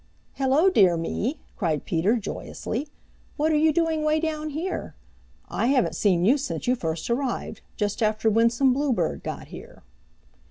"Hello, Dear Me!" cried Peter joyously. "What are you doing way down here? I haven't seen you since you first arrived, just after Winsome Bluebird got here."